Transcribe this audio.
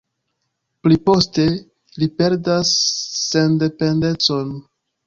Pli poste ili perdas sendependecon.